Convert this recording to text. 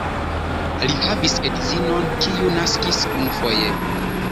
Li havis edzinon, kiu naskis unufoje.